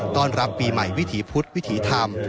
ต้อนรับปีใหม่วิถีพุธวิถีธรรม